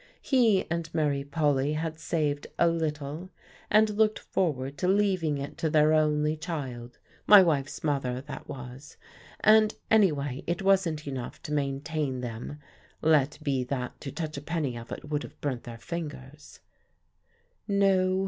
He and Mary Polly had saved a little, and looked forward to leaving it to their only child my wife's mother, that was; and anyway it wasn't enough to maintain them, let be that to touch a penny of it would have burnt their fingers.